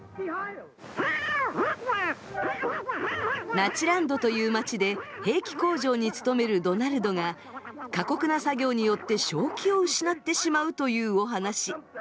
ナチランドという町で兵器工場に勤めるドナルドが過酷な作業によって正気を失ってしまうというお話。